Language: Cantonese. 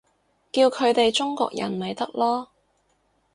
叫佢哋中國人咪得囉